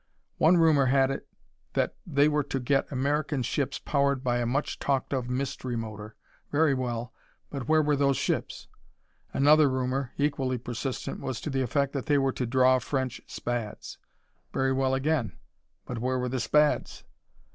One rumor had it that they were to get American ships powered by a much talked of mystery motor. Very well, but where were those ships? Another rumor, equally persistent, was to the effect that they were to draw French Spads. Very well again, but where were the Spads?